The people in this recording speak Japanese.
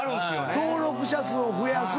登録者数を増やす。